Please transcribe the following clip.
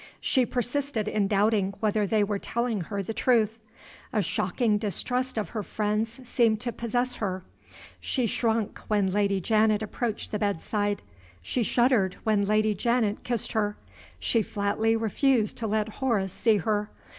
She persisted in doubting whether they were telling her the truth. A shocking distrust of her friends seemed to possess her. She shrunk when Lady Janet approached the bedside. She shuddered when Lady Janet kissed her. She flatly refused to let Horace see her.